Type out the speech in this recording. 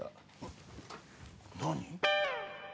何？